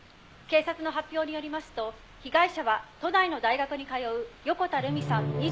警察の発表によりますと被害者は都内の大学に通う横田留美さん